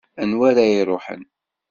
Anwa ara iruḥen?